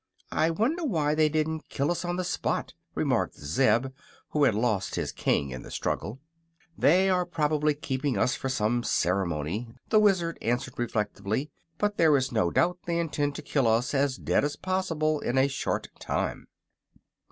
"I wonder why they didn't kill us on the spot," remarked Zeb, who had lost his king in the struggle. "They are probably keeping us for some ceremony," the Wizard answered, reflectively; "but there is no doubt they intend to kill us as dead as possible in a short time."